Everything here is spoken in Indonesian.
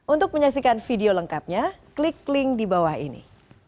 untuk menyaksikan video lengkapnya klik link di bawah ini